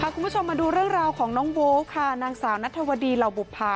คุณผู้ชมมาดูเรื่องราวของน้องโบ๊คค่ะนางสาวนัทธวดีเหล่าบุภา